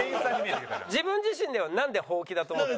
自分自身ではなんでほうきだと思ったの？